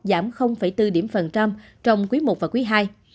giảm bốn điểm phần trăm trong quý i và quý ii